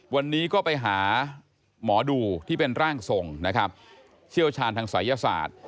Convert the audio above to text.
วันนี้ก็ไปหาหมอดูที่เป็นร่างทรงนะครับเชี่ยวชาญทางศัยศาสตร์